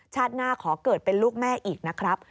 หน้าขอเกิดเป็นลูกแม่อีกนะครับ